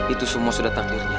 itu semua sudah takdirnya